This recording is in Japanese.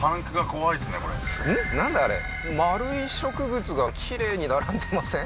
あれ丸い植物がきれいに並んでません？